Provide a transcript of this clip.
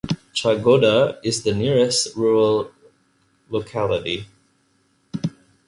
Chagoda is the nearest rural locality.